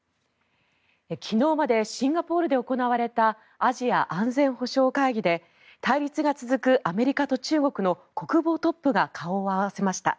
昨日までシンガポールで行われたアジア安全保障会議で対立が続くアメリカと中国の国防トップが顔を合わせました。